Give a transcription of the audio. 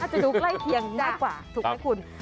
จะดูใกล้เคียงได้กว่าถูกไหมคุณ